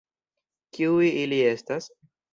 Kiuj ili estas?